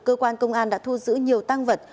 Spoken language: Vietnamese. cơ quan công an đã thu giữ nhiều tăng vật